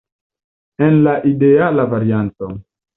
En la ideala varianto.